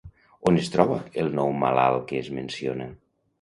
On es troba el nou malalt que es menciona?